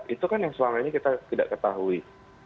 itu kan yang selama ini kita tidak ketahui